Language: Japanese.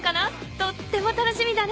とっても楽しみだね。